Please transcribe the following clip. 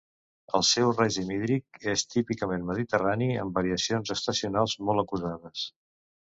El seu règim hídric és típicament mediterrani amb variacions estacionals molt acusades.